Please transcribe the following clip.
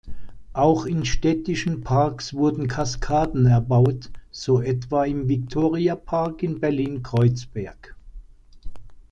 Auch in städtischen Parks wurden Kaskaden erbaut, so etwa im Viktoriapark in Berlin-Kreuzberg.